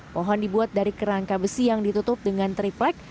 pohon dibuat dari kerangka besi yang ditutup dengan triplek